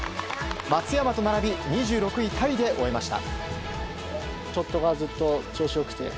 松山と並び２６位タイで終えました。